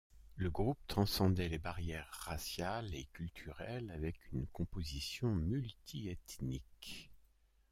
Le groupe transcendait les barrières raciales et culturelles avec une composition multiethnique.